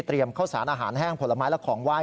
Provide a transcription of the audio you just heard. ข้าวสารอาหารแห้งผลไม้และของไห้